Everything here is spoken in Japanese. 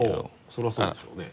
そりゃそうでしょうね。